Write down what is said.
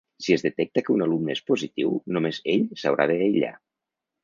Si es detecta que un alumne és positiu, només ell s’haurà d’aïllar.